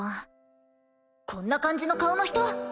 こんな感じの顔の人。